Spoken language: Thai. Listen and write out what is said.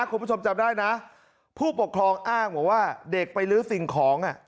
คุณผู้ชมจำได้นะผู้ปกครองอ้างบอกว่าเด็กไปลื้อสิ่งของ